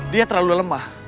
dia terlalu lemah